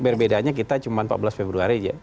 berbedanya kita cuma empat belas februari aja